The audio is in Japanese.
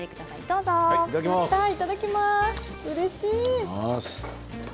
うれしい。